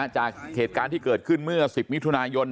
จากเหตุการณ์ที่เกิดขึ้นเมื่อ๑๐มิถุนายน